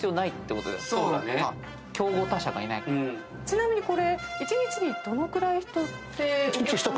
ちなみに一日にどのくらい人って。